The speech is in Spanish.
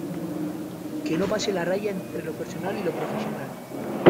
que no pase la raya entre lo personal y lo profesional.